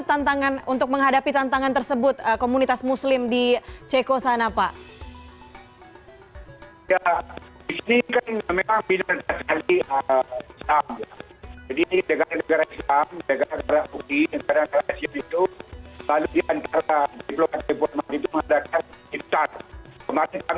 tantangan untuk menghadapi tantangan tersebut komunitas muslim di ceko sana pak